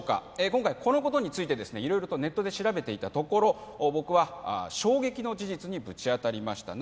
今回このことについてですね色々とネットで調べていたところ僕は衝撃の事実にぶち当たりました